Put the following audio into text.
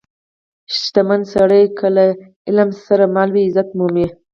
• شتمن سړی که له علم سره مل وي، عزت مومي.